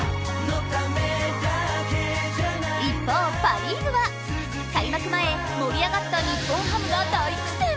一方パ・リーグは開幕前盛り上がった日本ハムが大苦戦。